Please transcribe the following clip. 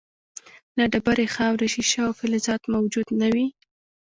لکه ډبرې، خاورې، شیشه او فلزات موجود نه وي.